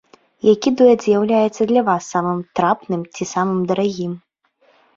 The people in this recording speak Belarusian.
Які дуэт з'яўляецца для вас самым трапным ці самым дарагім?